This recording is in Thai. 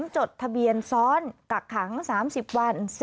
จดทะเบียนซ้อนกักขัง๓๐วัน